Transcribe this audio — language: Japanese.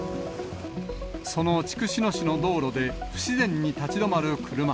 その筑紫野市の道路で不自然に立ち止まる車。